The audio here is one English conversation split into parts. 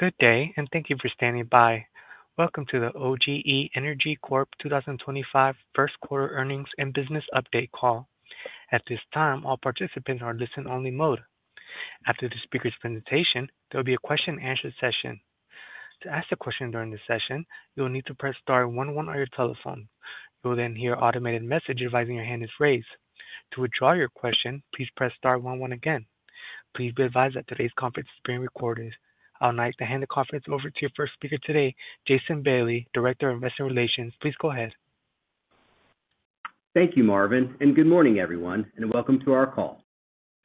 Good day, and thank you for standing by. Welcome to the OGE Energy Corp 2025 First Quarter Earnings and Business Update Call. At this time, all participants are in listen-only mode. After the speaker's presentation, there will be a question-and-answer session. To ask a question during the session, you will need to press Star 11 on your telephone. You will then hear an automated message advising your hand is raised. To withdraw your question, please press Star 11 again. Please be advised that today's conference is being recorded. I would like to hand the conference over to your first speaker today, Jason Bailey, Director of Investor Relations. Please go ahead. Thank you, Marvin, and good morning, everyone, and welcome to our call.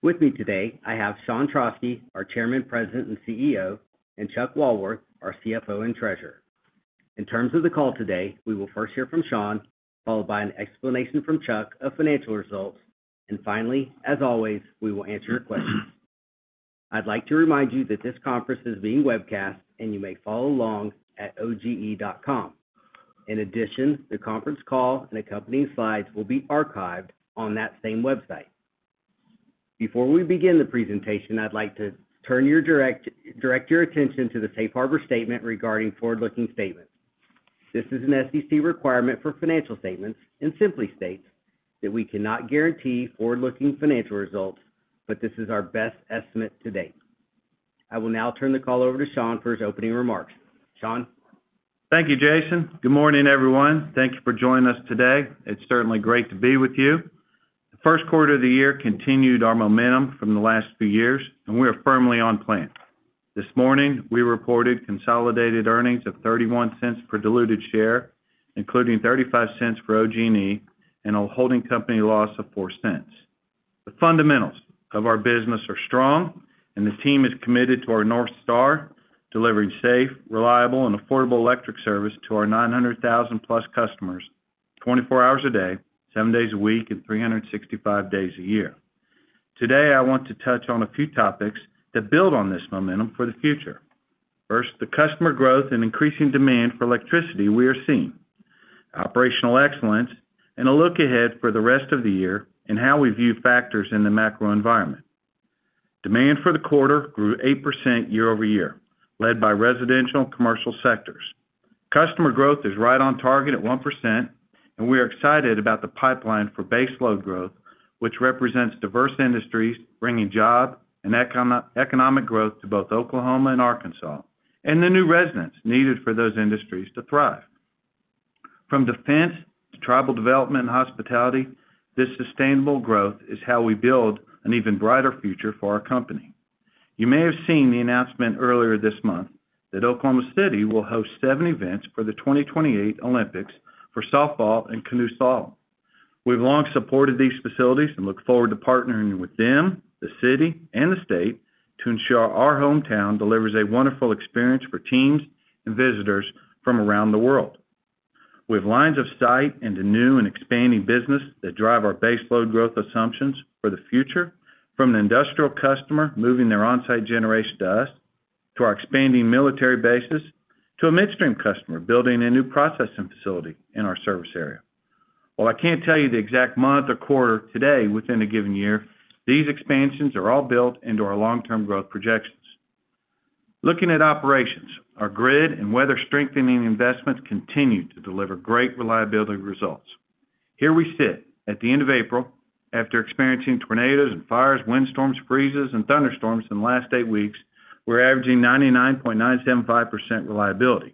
With me today, I have Sean Trauschke, our Chairman, President, and CEO, and Chuck Walworth, our CFO and Treasurer. In terms of the call today, we will first hear from Sean, followed by an explanation from Chuck of financial results, and finally, as always, we will answer your questions. I'd like to remind you that this conference is being webcast, and you may follow along at OGE.com. In addition, the conference call and accompanying slides will be archived on that same website. Before we begin the presentation, I'd like to turn your attention to the Safe Harbor Statement regarding forward-looking statements. This is an SEC requirement for financial statements and simply states that we cannot guarantee forward-looking financial results, but this is our best estimate to date. I will now turn the call over to Sean for his opening remarks. Sean. Thank you, Jason. Good morning, everyone. Thank you for joining us today. It's certainly great to be with you. The first quarter of the year continued our momentum from the last few years, and we are firmly on plan. This morning, we reported consolidated earnings of $0.31 per diluted share, including $0.35 for OG&E and a holding company loss of $0.04. The fundamentals of our business are strong, and the team is committed to our North Star, delivering safe, reliable, and affordable electric service to our 900,000-plus customers 24 hours a day, 7 days a week, and 365 days a year. Today, I want to touch on a few topics that build on this momentum for the future. First, the customer growth and increasing demand for electricity we are seeing, operational excellence, and a look ahead for the rest of the year and how we view factors in the macro environment. Demand for the quarter grew 8% year-over-year, led by residential and commercial sectors. Customer growth is right on target at 1%, and we are excited about the pipeline for base load growth, which represents diverse industries bringing job and economic growth to both Oklahoma and Arkansas, and the new residents needed for those industries to thrive. From defense to tribal development and hospitality, this sustainable growth is how we build an even brighter future for our company. You may have seen the announcement earlier this month that Oklahoma City will host seven events for the 2028 Olympics for Softball and Canoe Slalom. We've long supported these facilities and look forward to partnering with them, the city, and the state to ensure our hometown delivers a wonderful experience for teams and visitors from around the world. With lines of sight into new and expanding business that drive our base load growth assumptions for the future, from an industrial customer moving their onsite generation to us, to our expanding military bases, to a midstream customer building a new processing facility in our service area. While I can't tell you the exact month or quarter today within a given year, these expansions are all built into our long-term growth projections. Looking at operations, our grid and weather-strengthening investments continue to deliver great reliability results. Here we sit at the end of April, after experiencing tornadoes and fires, windstorms, freezes, and thunderstorms in the last eight weeks, we're averaging 99.975% reliability.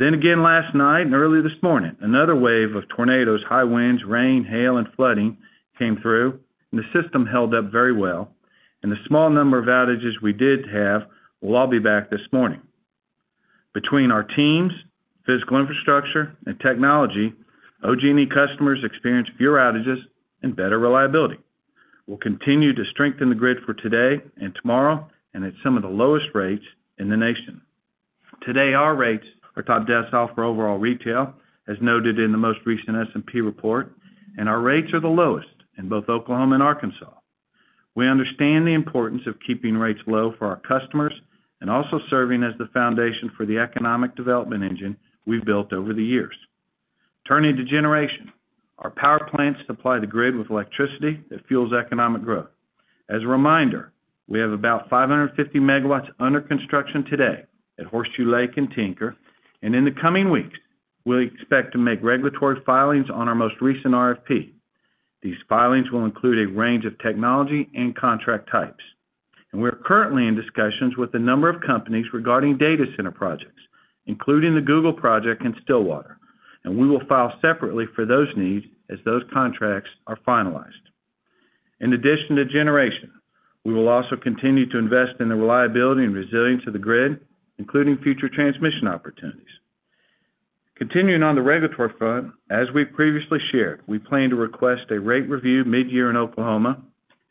Last night and early this morning, another wave of tornadoes, high winds, rain, hail, and flooding came through, and the system held up very well. The small number of outages we did have will all be back this morning. Between our teams, physical infrastructure, and technology, OG&E customers experienced fewer outages and better reliability. We'll continue to strengthen the grid for today and tomorrow and at some of the lowest rates in the nation. Today, our rates are top down south for overall retail, as noted in the most recent S&P report, and our rates are the lowest in both Oklahoma and Arkansas. We understand the importance of keeping rates low for our customers and also serving as the foundation for the economic development engine we've built over the years. Turning to generation, our power plants supply the grid with electricity that fuels economic growth. As a reminder, we have about 550 MW under construction today at Horseshoe Lake and Tinker, and in the coming weeks, we expect to make regulatory filings on our most recent RFP. These filings will include a range of technology and contract types. We are currently in discussions with a number of companies regarding data center projects, including the Google project in Stillwater, and we will file separately for those needs as those contracts are finalized. In addition to generation, we will also continue to invest in the reliability and resilience of the grid, including future transmission opportunities. Continuing on the regulatory front, as we previously shared, we plan to request a rate review mid-year in Oklahoma,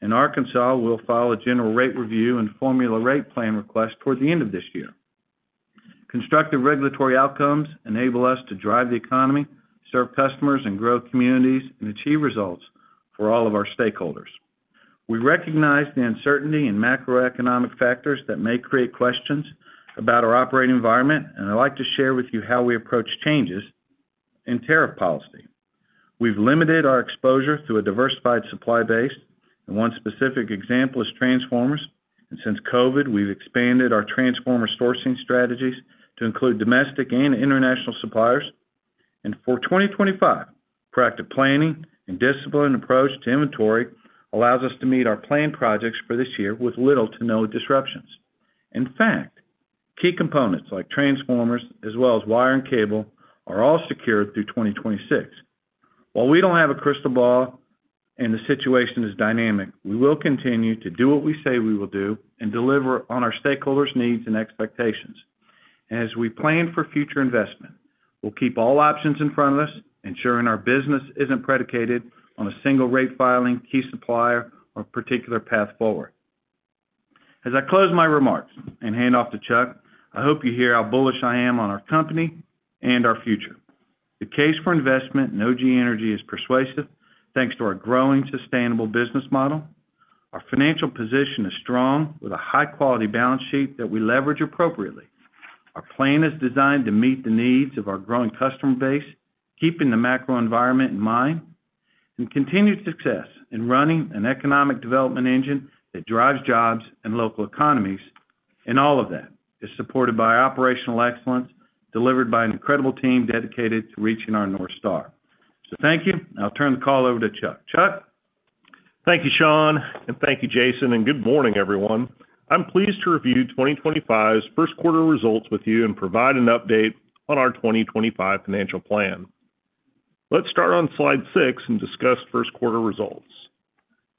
and Arkansas will file a general rate review and formula rate plan request toward the end of this year. Constructive regulatory outcomes enable us to drive the economy, serve customers, grow communities, and achieve results for all of our stakeholders. We recognize the uncertainty in macroeconomic factors that may create questions about our operating environment, and I'd like to share with you how we approach changes in tariff policy. We've limited our exposure through a diversified supply base, and one specific example is transformers. Since COVID, we've expanded our transformer sourcing strategies to include domestic and international suppliers. For 2025, proactive planning and disciplined approach to inventory allows us to meet our planned projects for this year with little to no disruptions. In fact, key components like transformers, as well as wire and cable, are all secured through 2026. While we do not have a crystal ball and the situation is dynamic, we will continue to do what we say we will do and deliver on our stakeholders' needs and expectations. As we plan for future investment, we will keep all options in front of us, ensuring our business is not predicated on a single rate filing, key supplier, or particular path forward. As I close my remarks and hand off to Chuck, I hope you hear how bullish I am on our company and our future. The case for investment in OGE Energy is persuasive, thanks to our growing sustainable business model. Our financial position is strong with a high-quality balance sheet that we leverage appropriately. Our plan is designed to meet the needs of our growing customer base, keeping the macro environment in mind, and continued success in running an economic development engine that drives jobs and local economies. All of that is supported by operational excellence delivered by an incredible team dedicated to reaching our North Star. Thank you, I'll turn the call over to Chuck. Chuck. Thank you, Sean, and thank you, Jason. Good morning, everyone. I'm pleased to review 2025's first quarter results with you and provide an update on our 2025 financial plan. Let's start on slide six and discuss first quarter results.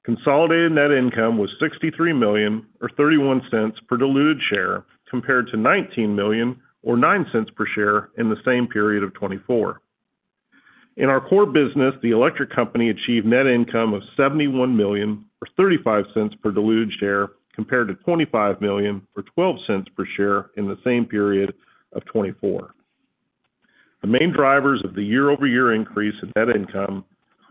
Consolidated net income was $63 million, or $0.31 per diluted share compared to $19 million, or $0.09 per share in the same period of 2024. In our core business, the electric company achieved net income of $71 million, or $0.35 per diluted share compared to $25 million, or $0.12 per share in the same period of 2024. The main drivers of the year-over-year increase in net income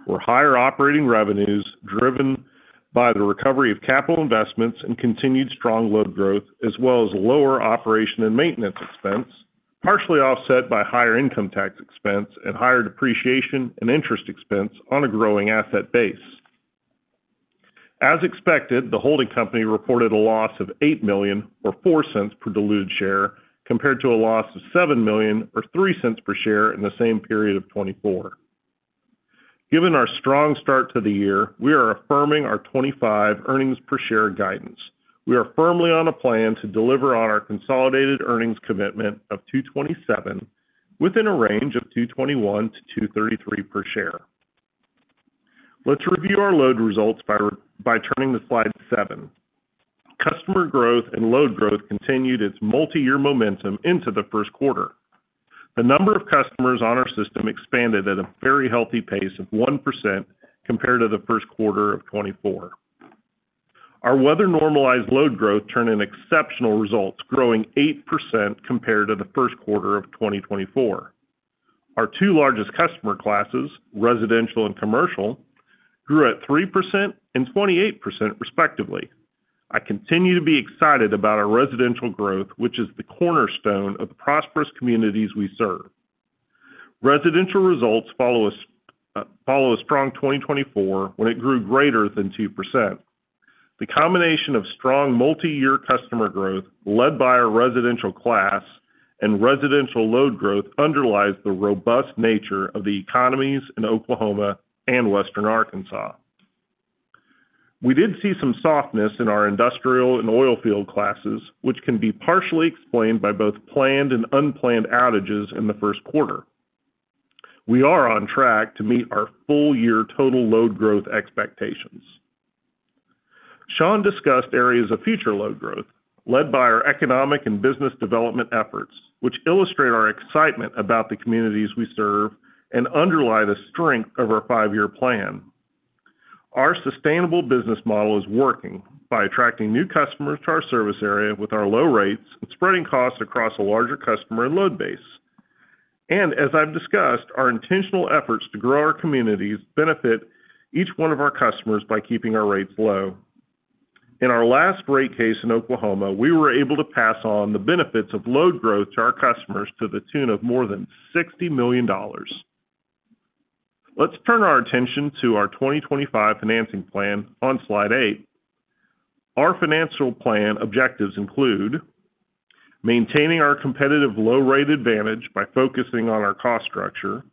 were higher operating revenues driven by the recovery of capital investments and continued strong load growth, as well as lower operation and maintenance expense, partially offset by higher income tax expense and higher depreciation and interest expense on a growing asset base. As expected, the holding company reported a loss of $8.0 million, or $0.04 per diluted share compared to a loss of $7.0 million, or $0.03 per share in the same period of 2024. Given our strong start to the year, we are affirming our 2025 earnings per share guidance. We are firmly on a plan to deliver on our consolidated earnings commitment of $227.00 within a range of $221.00-$233.00 per share. Let's review our load results by turning to slide seven. Customer growth and load growth continued its multi-year momentum into the first quarter. The number of customers on our system expanded at a very healthy pace of 1% compared to the first quarter of 2024. Our weather-normalized load growth turned in exceptional results, growing 8% compared to the first quarter of 2024. Our two largest customer classes, residential and commercial, grew at 3% and 28%, respectively. I continue to be excited about our residential growth, which is the cornerstone of the prosperous communities we serve. Residential results follow a strong 2024 when it grew greater than 2%. The combination of strong multi-year customer growth led by our residential class and residential load growth underlies the robust nature of the economies in Oklahoma and western Arkansas. We did see some softness in our industrial and oil field classes, which can be partially explained by both planned and unplanned outages in the first quarter. We are on track to meet our full-year total load growth expectations. Sean discussed areas of future load growth led by our economic and business development efforts, which illustrate our excitement about the communities we serve and underlie the strength of our five-year plan. Our sustainable business model is working by attracting new customers to our service area with our low rates and spreading costs across a larger customer and load base. As I've discussed, our intentional efforts to grow our communities benefit each one of our customers by keeping our rates low. In our last rate case in Oklahoma, we were able to pass on the benefits of load growth to our customers to the tune of more than $60 million. Let's turn our attention to our 2025 financing plan on slide eight. Our financial plan objectives include maintaining our competitive low-rate advantage by focusing on our cost structure,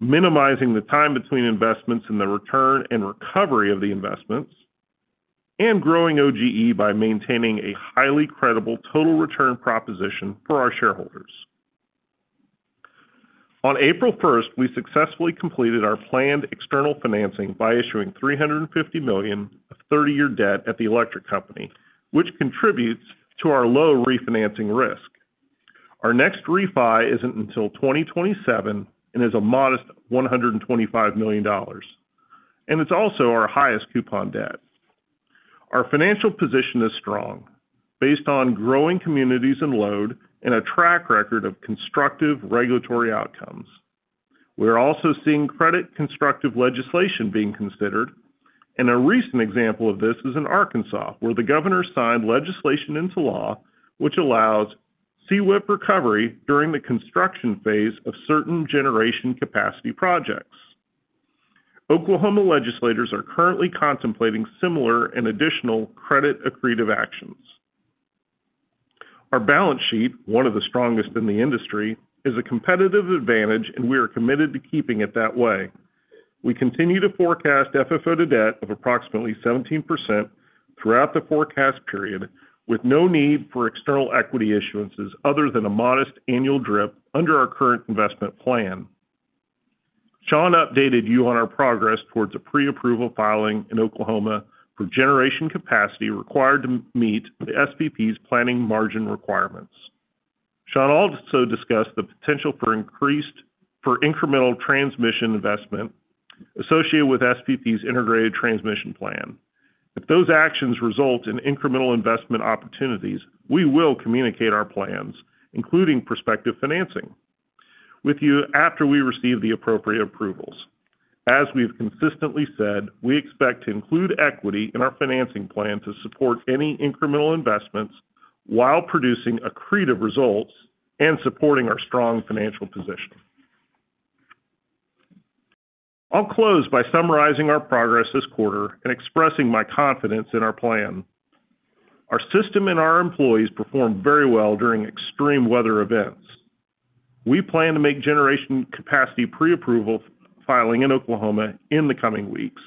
minimizing the time between investments and the return and recovery of the investments, and growing OGE by maintaining a highly credible total return proposition for our shareholders. On April 1st, we successfully completed our planned external financing by issuing $350 million of 30-year debt at the electric company, which contributes to our low refinancing risk. Our next refi is not until 2027 and is a modest $125 million. It is also our highest coupon debt. Our financial position is strong based on growing communities and load and a track record of constructive regulatory outcomes. We are also seeing credit constructive legislation being considered. A recent example of this is in Arkansas, where the governor signed legislation into law, which allows CWIP recovery during the construction phase of certain generation capacity projects. Oklahoma legislators are currently contemplating similar and additional credit accretive actions. Our balance sheet, one of the strongest in the industry, is a competitive advantage, and we are committed to keeping it that way. We continue to forecast FFO to debt of approximately 17% throughout the forecast period, with no need for external equity issuances other than a modest annual DRIP under our current investment plan. Sean updated you on our progress towards a pre-approval filing in Oklahoma for generation capacity required to meet the SPP's planning margin requirements. Sean also discussed the potential for increased incremental transmission investment associated with SPP's integrated transmission plan. If those actions result in incremental investment opportunities, we will communicate our plans, including prospective financing, with you after we receive the appropriate approvals. As we've consistently said, we expect to include equity in our financing plan to support any incremental investments while producing accretive results and supporting our strong financial position. I'll close by summarizing our progress this quarter and expressing my confidence in our plan. Our system and our employees performed very well during extreme weather events. We plan to make generation capacity pre-approval filing in Oklahoma in the coming weeks.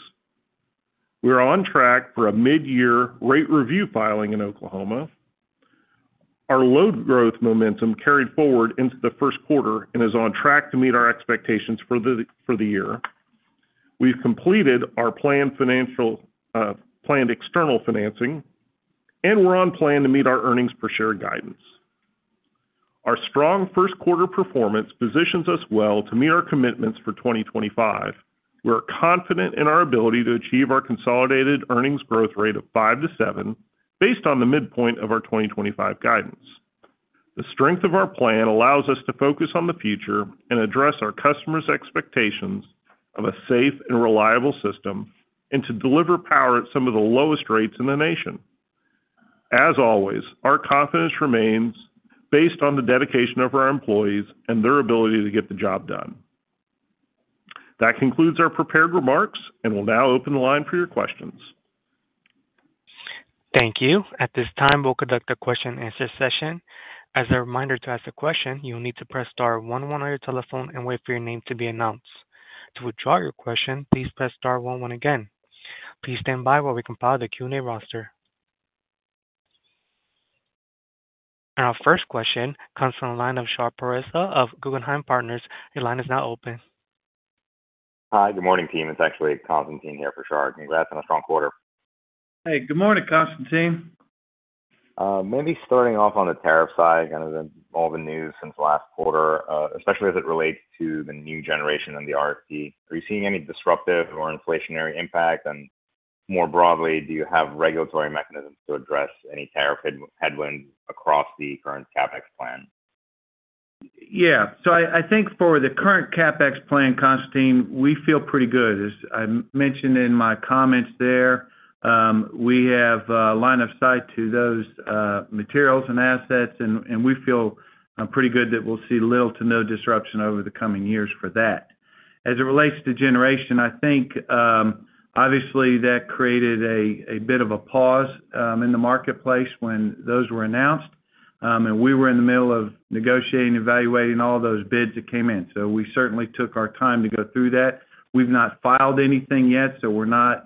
We are on track for a mid-year rate review filing in Oklahoma. Our load growth momentum carried forward into the first quarter and is on track to meet our expectations for the year. We've completed our planned external financing, and we're on plan to meet our earnings per share guidance. Our strong first quarter performance positions us well to meet our commitments for 2025. We are confident in our ability to achieve our consolidated earnings growth rate of 5%-7% based on the midpoint of our 2025 guidance. The strength of our plan allows us to focus on the future and address our customers' expectations of a safe and reliable system and to deliver power at some of the lowest rates in the nation. As always, our confidence remains based on the dedication of our employees and their ability to get the job done. That concludes our prepared remarks, and we'll now open the line for your questions. Thank you. At this time, we'll conduct a question-and-answer session. As a reminder to ask a question, you'll need to press star 11 on your telephone and wait for your name to be announced. To withdraw your question, please press star 11 again. Please stand by while we compile the Q&A roster. Our first question comes from the line of Shar Pourreza of Guggenheim Partners. Your line is now open. Hi, good morning, team. It's actually Constantine here for Shar. Congrats on a strong quarter. Hey, good morning, Constantine. Maybe starting off on the tariff side, kind of all the news since last quarter, especially as it relates to the new generation and the RFP. Are you seeing any disruptive or inflationary impact? More broadly, do you have regulatory mechanisms to address any tariff headwinds across the current CapEx plan? Yeah. I think for the current CapEx plan, Constantine, we feel pretty good. As I mentioned in my comments there, we have a line of sight to those materials and assets, and we feel pretty good that we'll see little to no disruption over the coming years for that. As it relates to generation, I think obviously that created a bit of a pause in the marketplace when those were announced, and we were in the middle of negotiating and evaluating all those bids that came in. We certainly took our time to go through that. We've not filed anything yet, so we're not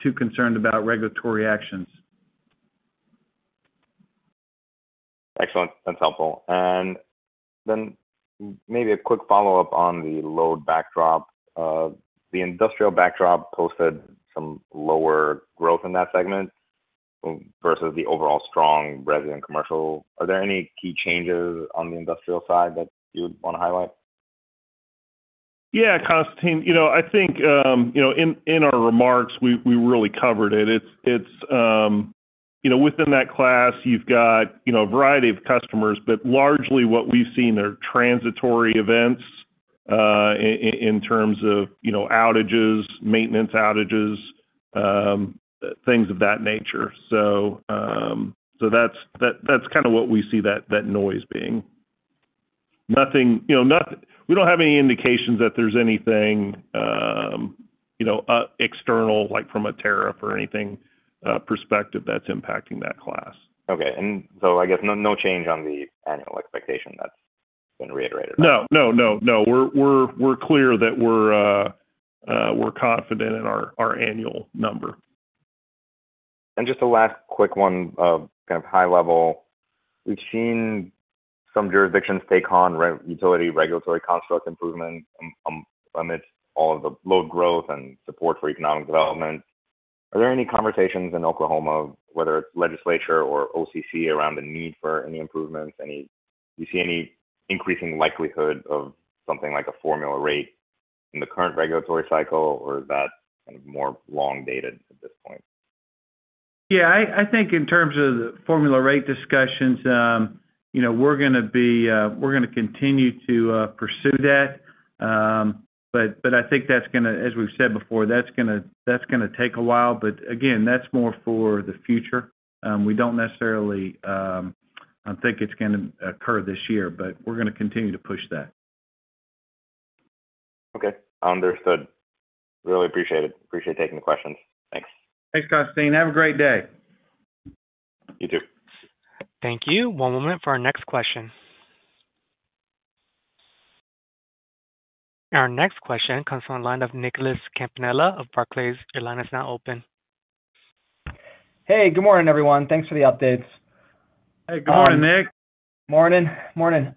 too concerned about regulatory actions. Excellent. That's helpful. Maybe a quick follow-up on the load backdrop. The industrial backdrop posted some lower growth in that segment versus the overall strong resident commercial. Are there any key changes on the industrial side that you would want to highlight? Yeah, Constantine. I think in our remarks, we really covered it. Within that class, you've got a variety of customers, but largely what we've seen are transitory events in terms of outages, maintenance outages, things of that nature. That is kind of what we see that noise being. We do not have any indications that there is anything external from a tariff or anything perspective that is impacting that class. Okay. I guess no change on the annual expectation. That's been reiterated. No, no. We're clear that we're confident in our annual number. Just a last quick one, kind of high level. We've seen some jurisdictions take on utility regulatory construct improvements amidst all of the load growth and support for economic development. Are there any conversations in Oklahoma, whether it's legislature or OCC, around the need for any improvements? Do you see any increasing likelihood of something like a formula rate in the current regulatory cycle, or is that kind of more long-dated at this point? Yeah. I think in terms of the formula rate discussions, we're going to continue to pursue that. I think that's going to, as we've said before, that's going to take a while. Again, that's more for the future. We don't necessarily think it's going to occur this year, but we're going to continue to push that. Okay. Understood. Really appreciate it. Appreciate taking the questions. Thanks. Thanks, Constantine. Have a great day. You too. Thank you. One moment for our next question. Our next question comes from the line of Nicholas Campanella of Barclays. Your line is now open. Hey, good morning, everyone. Thanks for the updates. Hey, good morning, Nick. Morning. Morning.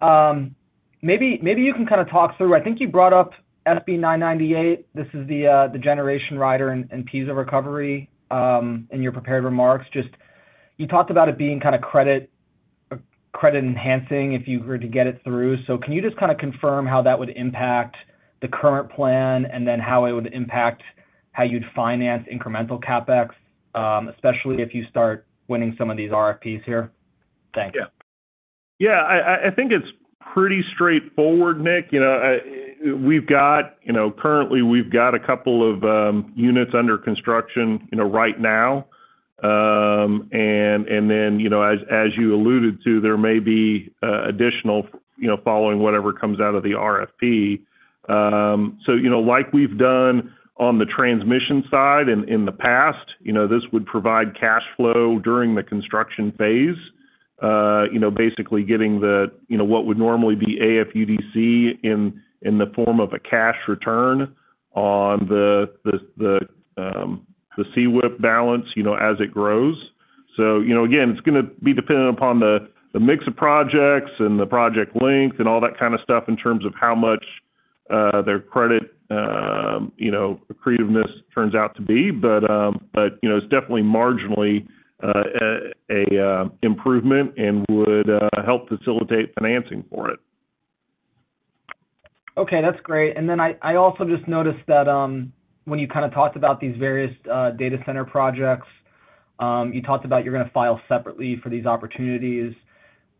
Maybe you can kind of talk through. I think you brought up SB 998. This is the generation rider and piece of recovery in your prepared remarks. Just you talked about it being kind of credit-enhancing if you were to get it through. Can you just kind of confirm how that would impact the current plan and then how it would impact how you'd finance incremental CapEx, especially if you start winning some of these RFPs here? Thanks. Yeah. Yeah. I think it's pretty straightforward, Nick. Currently, we've got a couple of units under construction right now. As you alluded to, there may be additional following whatever comes out of the RFP. Like we've done on the transmission side in the past, this would provide cash flow during the construction phase, basically getting what would normally be AFUDC in the form of a cash return on the CWIP balance as it grows. Again, it's going to be dependent upon the mix of projects and the project length and all that kind of stuff in terms of how much their credit accretiveness turns out to be. It's definitely marginally an improvement and would help facilitate financing for it. Okay. That's great. I also just noticed that when you kind of talked about these various data center projects, you talked about you're going to file separately for these opportunities.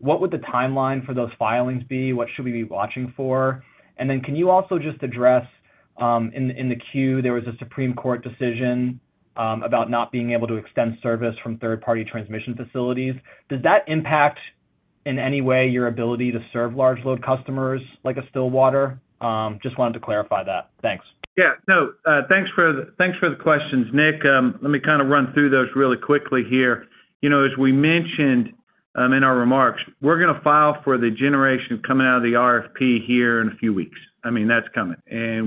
What would the timeline for those filings be? What should we be watching for? Can you also just address in the queue, there was a Supreme Court decision about not being able to extend service from third-party transmission facilities. Does that impact in any way your ability to serve large load customers like a Stillwater? Just wanted to clarify that. Thanks. Yeah. No, thanks for the questions, Nick. Let me kind of run through those really quickly here. As we mentioned in our remarks, we're going to file for the generation coming out of the RFP here in a few weeks. I mean, that's coming.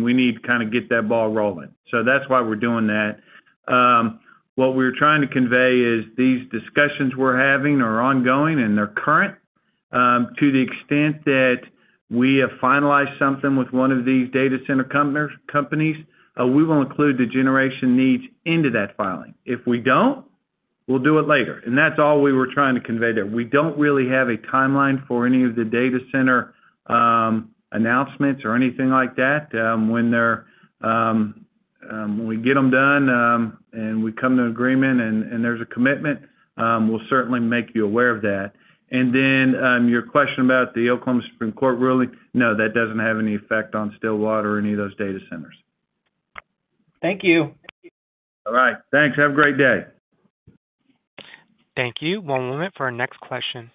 We need to kind of get that ball rolling. That's why we're doing that. What we're trying to convey is these discussions we're having are ongoing and they're current to the extent that we have finalized something with one of these data center companies, we will include the generation needs into that filing. If we don't, we'll do it later. That's all we were trying to convey there. We don't really have a timeline for any of the data center announcements or anything like that. When we get them done and we come to an agreement and there's a commitment, we'll certainly make you aware of that. Your question about the Oklahoma Supreme Court ruling, no, that doesn't have any effect on Stillwater or any of those data centers. Thank you. All right. Thanks. Have a great day. Thank you. One moment for our next question.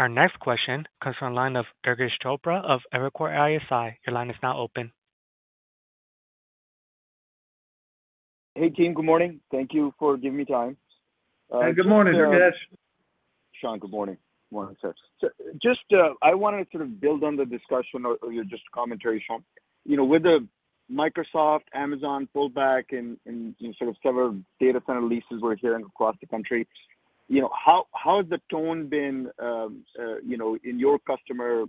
Our next question comes from the line of Durgesh Chopra of Evercore ISI. Your line is now open. Hey, team. Good morning. Thank you for giving me time. Hey, good morning, Durgesh. Sean, good morning. Morning, sir. I just wanted to sort of build on the discussion or your just commentary, Sean. With the Microsoft Amazon pullback and sort of several data center leases we're hearing across the country, how has the tone been in your customer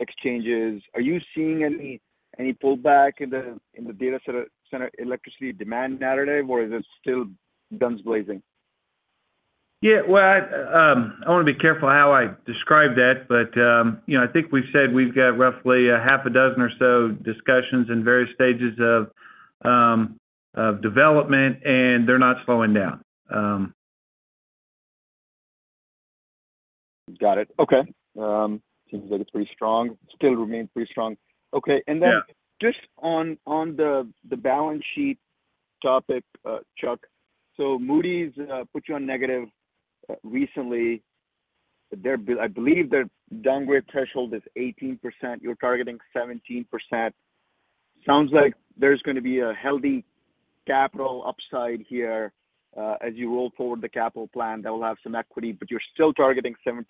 exchanges? Are you seeing any pullback in the data center electricity demand narrative, or is it still guns blazing? Yeah. I want to be careful how I describe that, but I think we've said we've got roughly a half a dozen or so discussions in various stages of development, and they're not slowing down. Got it. Okay. Seems like it's pretty strong. Still remains pretty strong. Okay. Just on the balance sheet topic, Chuck, Moody's put you on negative recently. I believe their downgrade threshold is 18%. You're targeting 17%. Sounds like there's going to be a healthy capital upside here as you roll forward the capital plan that will have some equity, but you're still targeting 17%.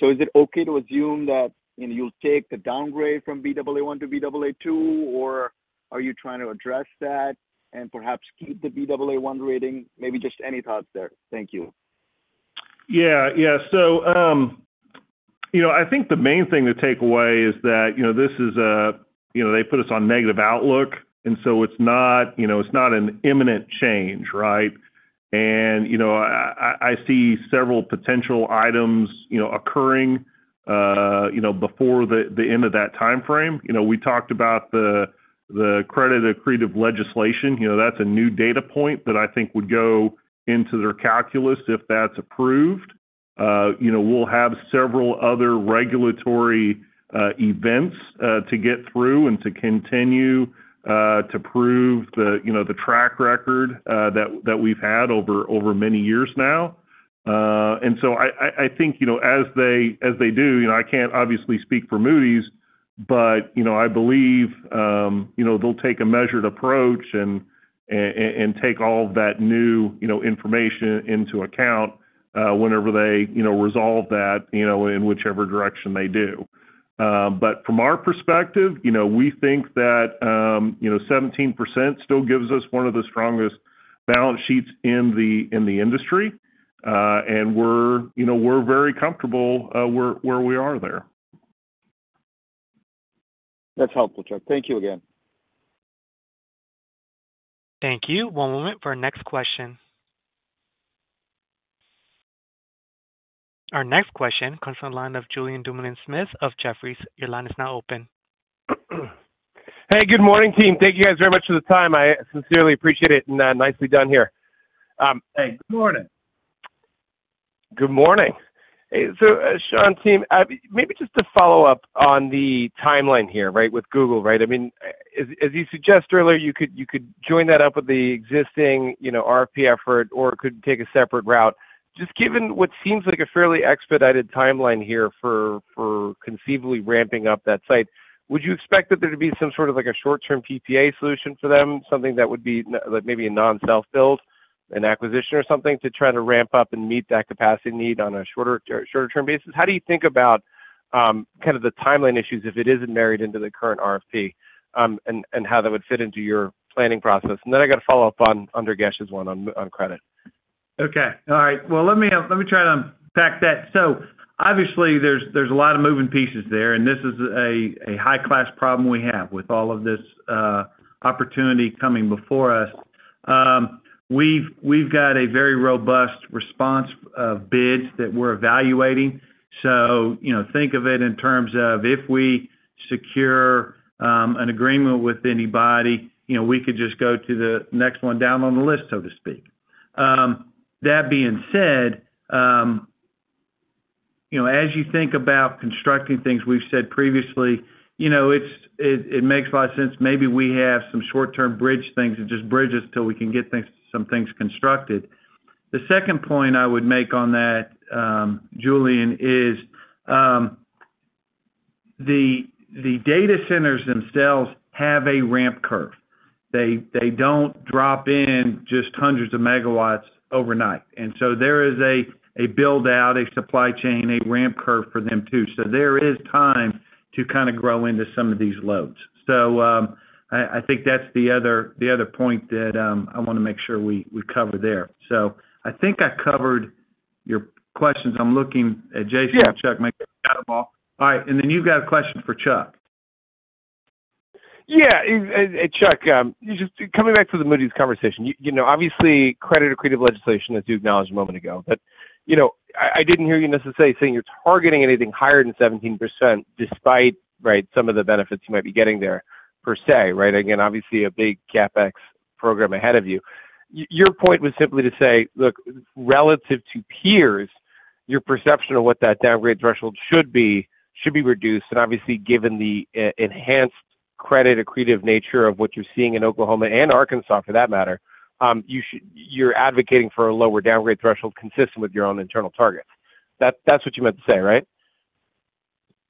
Is it okay to assume that you'll take the downgrade from Baa1 to Baa2, or are you trying to address that and perhaps keep the Baa1 rating? Maybe just any thoughts there. Thank you. Yeah. Yeah. I think the main thing to take away is that this is a they put us on negative outlook, and so it's not an imminent change, right? I see several potential items occurring before the end of that timeframe. We talked about the credit accretive legislation. That's a new data point that I think would go into their calculus if that's approved. We'll have several other regulatory events to get through and to continue to prove the track record that we've had over many years now. I think as they do, I can't obviously speak for Moody's, but I believe they'll take a measured approach and take all of that new information into account whenever they resolve that in whichever direction they do. From our perspective, we think that 17% still gives us one of the strongest balance sheets in the industry, and we're very comfortable where we are there. That's helpful, Chuck. Thank you again. Thank you. One moment for our next question. Our next question comes from the line of Julien Dumoulin-Smith of Jefferies. Your line is now open. Hey, good morning, team. Thank you guys very much for the time. I sincerely appreciate it and nicely done here. Hey, good morning. Good morning. Sean, team, maybe just to follow up on the timeline here, right, with Google, right? I mean, as you suggested earlier, you could join that up with the existing RFP effort, or it could take a separate route. Just given what seems like a fairly expedited timeline here for conceivably ramping up that site, would you expect that there to be some sort of a short-term PPA solution for them, something that would be maybe a non-self-build, an acquisition or something to try to ramp up and meet that capacity need on a shorter-term basis? How do you think about kind of the timeline issues if it isn't married into the current RFP and how that would fit into your planning process? I got to follow up on Durgesh's one on credit. Okay. All right. Let me try to unpack that. Obviously, there are a lot of moving pieces there, and this is a high-class problem we have with all of this opportunity coming before us. We have a very robust response of bids that we are evaluating. Think of it in terms of if we secure an agreement with anybody, we could just go to the next one down on the list, so to speak. That being said, as you think about constructing things, we have said previously, it makes a lot of sense. Maybe we have some short-term bridge things that just bridge us until we can get some things constructed. The second point I would make on that, Julien, is the data centers themselves have a ramp curve. They do not drop in just hundreds of megawatts overnight. There is a build-out, a supply chain, a ramp curve for them too. There is time to kind of grow into some of these loads. I think that is the other point that I want to make sure we cover there. I think I covered your questions. I am looking at Jason and Chuck. All right. You have a question for Chuck. Yeah. Chuck, coming back to the Moody's conversation, obviously, credit accretive legislation, as you acknowledged a moment ago. I didn't hear you necessarily say you're targeting anything higher than 17% despite, right, some of the benefits you might be getting there per se, right? Again, obviously, a big CapEx program ahead of you. Your point was simply to say, look, relative to peers, your perception of what that downgrade threshold should be should be reduced. Obviously, given the enhanced credit accretive nature of what you're seeing in Oklahoma and Arkansas for that matter, you're advocating for a lower downgrade threshold consistent with your own internal targets. That's what you meant to say, right?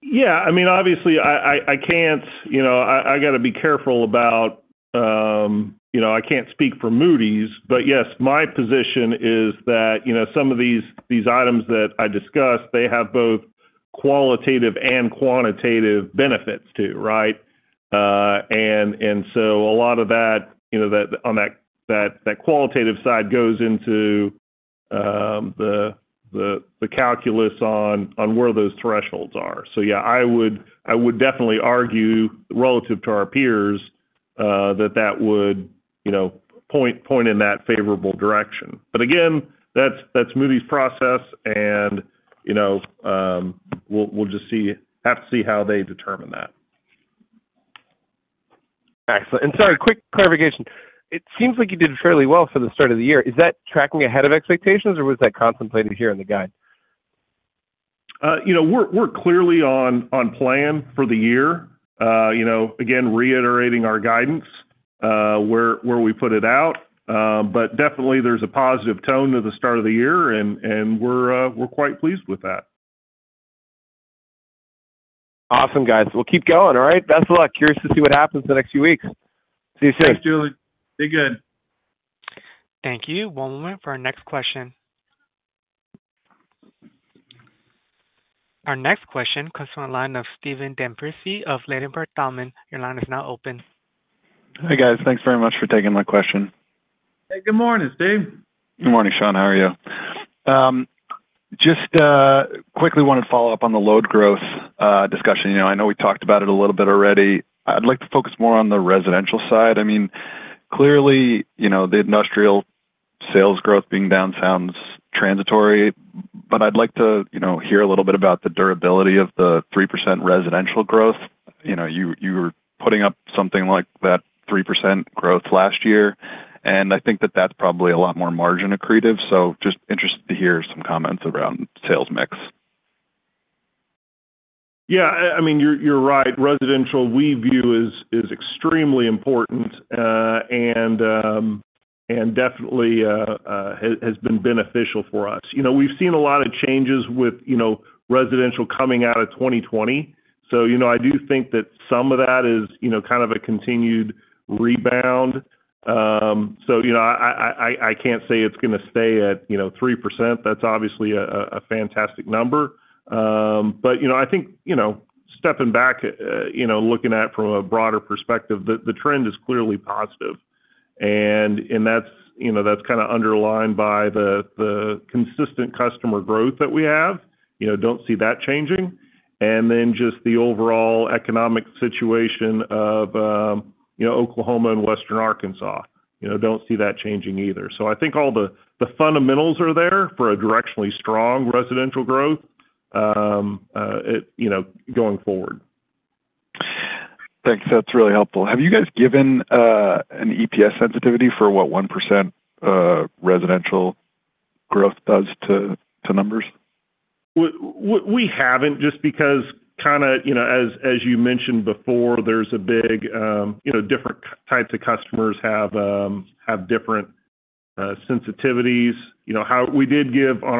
Yeah. I mean, obviously, I can't, I got to be careful about, I can't speak for Moody's, but yes, my position is that some of these items that I discussed, they have both qualitative and quantitative benefits too, right? A lot of that on that qualitative side goes into the calculus on where those thresholds are. Yeah, I would definitely argue relative to our peers that that would point in that favorable direction. Again, that's Moody's process, and we'll just have to see how they determine that. Excellent. Sorry, quick clarification. It seems like you did fairly well for the start of the year. Is that tracking ahead of expectations, or was that contemplated here in the guide? We're clearly on plan for the year. Again, reiterating our guidance where we put it out. Definitely, there's a positive tone to the start of the year, and we're quite pleased with that. Awesome, guys. We'll keep going, all right? That's a lot. Curious to see what happens in the next few weeks. See you soon. Thanks, Julien. Be good. Thank you. One moment for our next question. Our next question comes from the line of Stephen D'Ambrisi of Ladenburg Thalmann. Your line is now open. Hey, guys. Thanks very much for taking my question. Hey, good morning, Steve. Good morning, Sean. How are you? Just quickly wanted to follow up on the load growth discussion. I know we talked about it a little bit already. I'd like to focus more on the residential side. I mean, clearly, the industrial sales growth being down sounds transitory, but I'd like to hear a little bit about the durability of the 3% residential growth. You were putting up something like that 3% growth last year, and I think that that's probably a lot more margin accretive. Just interested to hear some comments around sales mix. Yeah. I mean, you're right. Residential, we view, is extremely important and definitely has been beneficial for us. We've seen a lot of changes with residential coming out of 2020. I do think that some of that is kind of a continued rebound. I can't say it's going to stay at 3%. That's obviously a fantastic number. I think stepping back, looking at it from a broader perspective, the trend is clearly positive. That's kind of underlined by the consistent customer growth that we have. Don't see that changing. Just the overall economic situation of Oklahoma and Western Arkansas. Don't see that changing either. I think all the fundamentals are there for a directionally strong residential growth going forward. Thanks. That's really helpful. Have you guys given an EPS sensitivity for what 1% residential growth does to numbers? We haven't just because, kind of as you mentioned before, there's a big different types of customers have different sensitivities. We did give on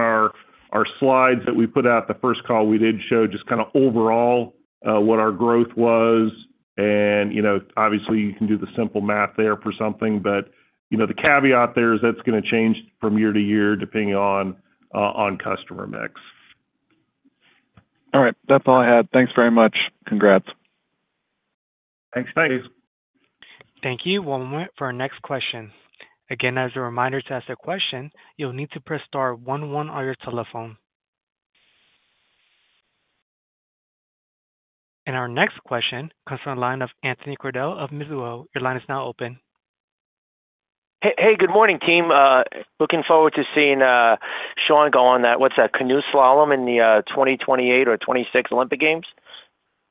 our slides that we put out the first call, we did show just kind of overall what our growth was. Obviously, you can do the simple math there for something, but the caveat there is that's going to change from year to year depending on customer mix. All right. That's all I had. Thanks very much. Congrats. Thanks. Thanks. Thank you. One moment for our next question. As a reminder to ask a question, you'll need to press star 11 on your telephone. Our next question comes from the line of Anthony Crowdell of Mizuho. Your line is now open. Hey, good morning, team. Looking forward to seeing Sean go on that, what's that, Canoe Slalom in the 2028 or 2026 Olympic Games.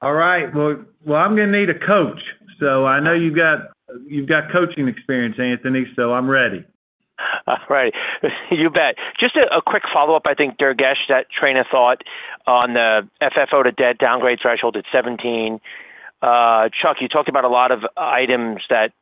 All right. I am going to need a coach. I know you have got coaching experience, Anthony, so I am ready. All right. You bet. Just a quick follow-up, I think, Durgesh, that train of thought on the FFO to debt downgrade threshold at 17%. Chuck, you talked about a lot of items that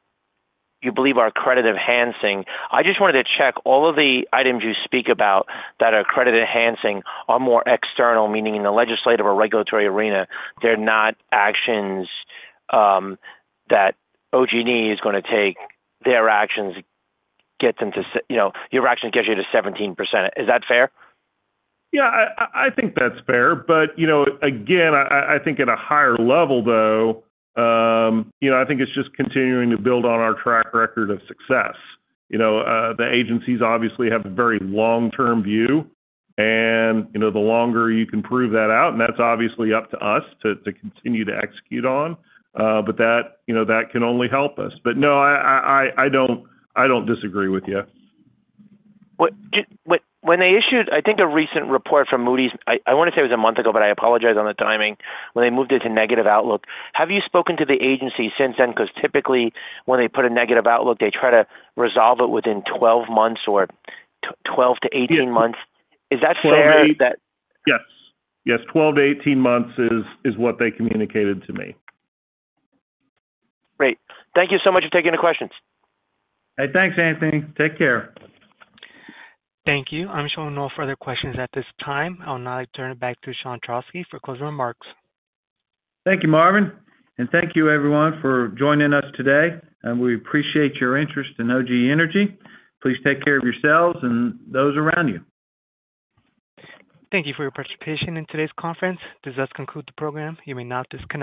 you believe are credit-enhancing. I just wanted to check all of the items you speak about that are credit-enhancing are more external, meaning in the legislative or regulatory arena. They're not actions that OG&E is going to take, they're actions that get them to your action gets you to 17%. Is that fair? Yeah. I think that's fair. Again, I think at a higher level, though, I think it's just continuing to build on our track record of success. The agencies obviously have a very long-term view, and the longer you can prove that out, and that's obviously up to us to continue to execute on, that can only help us. No, I don't disagree with you. When they issued, I think, a recent report from Moody's—I want to say it was a month ago, but I apologize on the timing—when they moved it to negative outlook, have you spoken to the agency since then? Because typically, when they put a negative outlook, they try to resolve it within 12 months or 12 to 18 months. Is that fair that? Yes. Yes. 12-18 months is what they communicated to me. Great. Thank you so much for taking the questions. Hey, thanks, Anthony. Take care. Thank you. I'm showing no further questions at this time. I'll now turn it back to Sean Trauschke for closing remarks. Thank you, Marvin. Thank you, everyone, for joining us today. We appreciate your interest in OGE Energy. Please take care of yourselves and those around you. Thank you for your participation in today's conference. This does conclude the program. You may now disconnect.